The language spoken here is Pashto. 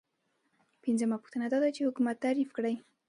پنځمه پوښتنه دا ده چې حکومت تعریف کړئ.